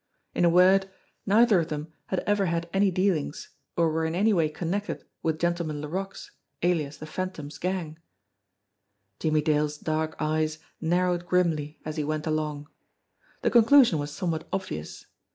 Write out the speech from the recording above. In a word, neither of them had ever had any dealings or were in any way connected with Gentleman Laroque's, alias the Phantom's gang. Jimmie Dale's dark eyes narrowed grimly as he went along. The conclusion was somewhat obvious.